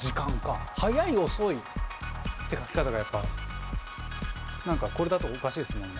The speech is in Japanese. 「早い」「遅い」って書き方がやっぱ何かこれだとおかしいっすもんね。